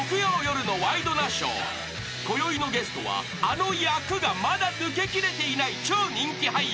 ［こよいのゲストはあの役がまだ抜けきれていない超人気俳優］